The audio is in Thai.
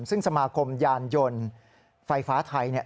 ซึ่งสมาคมยานยนต์ไฟฟ้าไทยเนี่ย